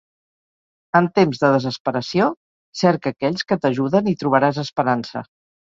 En temps de desesperació, cerca aquells que t'ajuden i trobaràs esperança.